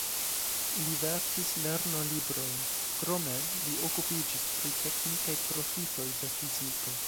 Li verkis lernolibrojn, krome li okupiĝis pri teknikaj profitoj de la fiziko.